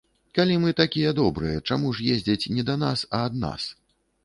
Калі мы такія добрыя, чаму ж ездзяць не да нас, а ад нас?